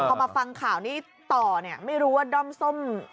พอมาฟังข่าวนี้ต่อเนี่ยไม่รู้ว่าด้อมส้ม